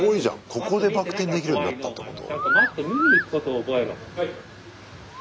ここでバク転できるようになったってこと？